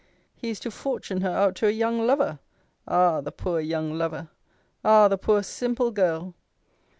He is to fortune her out to a young lover! Ah! the poor young lover! Ah! the poor simple girl!